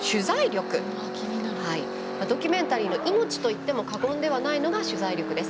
ドキュメンタリーの命と言っても過言ではないのが取材力です。